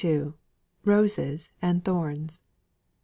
ROSES AND THORNS.